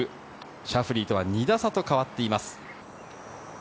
シャフリーとは２打差と変わっています。